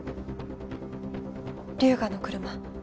龍河の車。